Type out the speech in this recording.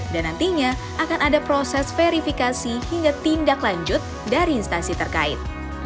dan nantinya akan ada proses verifikasi hingga tindak lanjut dari instansi terkait